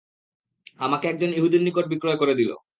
আমাকে একজন ইহুদীর নিকট বিক্রয় করে দিল।